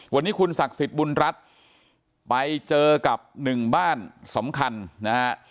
วันนี้คุณศักดิ์สิทธิ์บุญรัฐไปเจอกับหนึ่งบ้านสำคัญนะฮะ